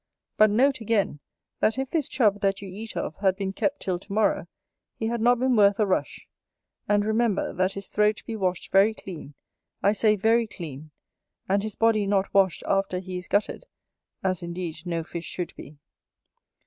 But note again, that if this Chub that you eat of had been kept till to morrow, he had not been worth a rush. And remember, that his throat be washed very clean, I say very clean, and his body not washed after he is gutted, as indeed no fish should be.